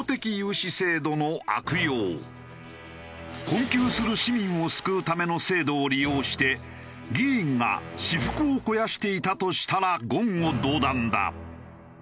困窮する市民を救うための制度を利用して議員が私腹を肥やしていたとしたら言語道断だ。